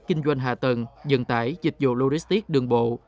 kinh doanh hạ tầng dựng tải dịch vụ luristic đường bộ